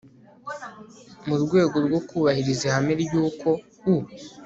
mu rwego rwo kubahiriza ihame ry uko u